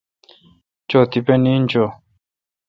چو تیپہ نیند چو۔